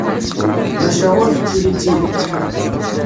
Maca ur tettili d tidet